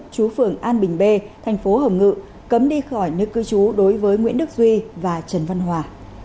chú phường an bình bê thành phố hồng ngự cấm đi khỏi nơi cư trú đối với nguyễn đức duy và trần văn hòa